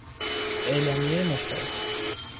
اعلامیهی مشترک